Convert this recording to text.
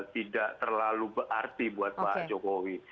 tidak terlalu berarti buat pak jokowi